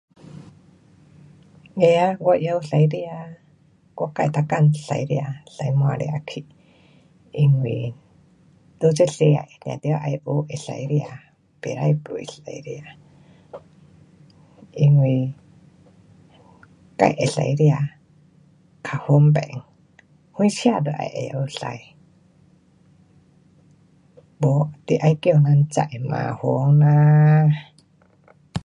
会啊，有会晓驾车。我自每天驾车，驾到处去。因为在这世界定得要学驾车，不可不驾车。因为自会驾车较方便，什车都也能够驾，不你叫人载，麻烦呐。